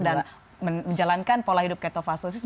dan menjalankan pola hidup ketopastosis